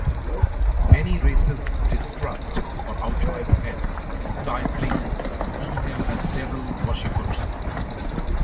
Many races distrust or outright hate Tieflings seeing them as devil worshippers.